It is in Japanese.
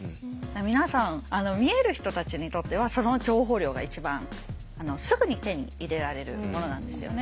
皆さん見える人たちにとってはその情報量が一番すぐに手に入れられるものなんですよね。